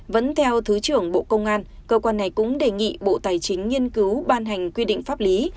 vẫn theo thứ trưởng bộ công an cơ quan này cũng đề nghị bộ tài chính nghiên cứu ban hành quy định pháp lý